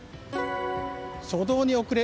初動に遅れ。